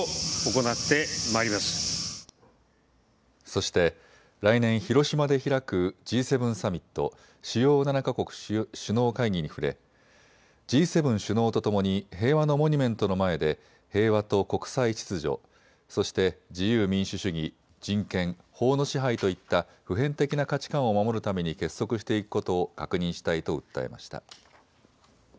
そして来年、広島で開くＧ７サミット・主要７か国首脳会議に触れ、Ｇ７首脳とともに平和のモニュメントの前で平和と国際秩序、そして自由民主主義、人権、法の支配といった普遍的な価値観を守るために結束していくことを確認したいと訴えました。